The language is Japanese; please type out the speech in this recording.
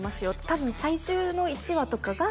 「多分最終の１話とかが」